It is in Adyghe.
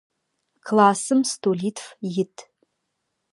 Классым столитф ит.